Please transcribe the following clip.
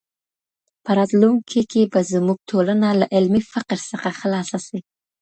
په راتلونکي کي به زموږ ټولنه له علمي فقر څخه خلاصه سي.